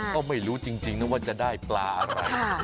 ก็ไม่รู้จริงนะว่าจะได้ปลาอะไร